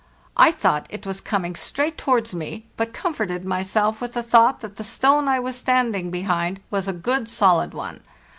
I thought it was coming straight towards me, but comforted myself with the thought that the stone I was standing behind was a good solid one.